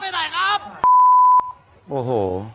ไปไหนครับไปไหนครับ